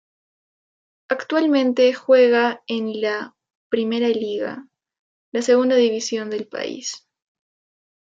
Actualmente juega en la I liga, la segunda división del país.